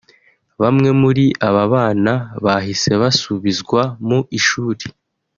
Bamwe muri aba bana bahise basubizwa mu ishuri